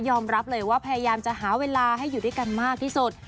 รับเลยว่าพยายามจะหาเวลาให้อยู่ด้วยกันมากที่สุด